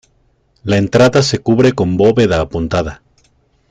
La entrada se cubre con bóveda apuntada.